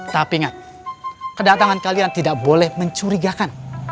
tapi ingat kedatangan kalian tidak boleh mencurigakan